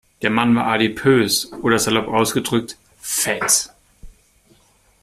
Der Mann war adipös, oder salopp ausgedrückt: Fett.